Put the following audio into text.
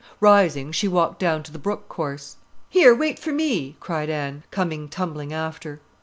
Rising, she walked down to the brook course. "Here, wait for me," cried Anne, coming tumbling after.